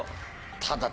ただ。